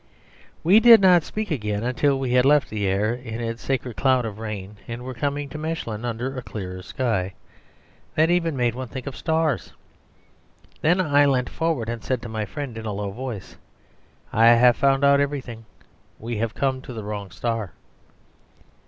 ..... We did not speak again until we had left Lierre, in its sacred cloud of rain, and were coming to Mechlin, under a clearer sky, that even made one think of stars. Then I leant forward and said to my friend in a low voice "I have found out everything. We have come to the wrong star."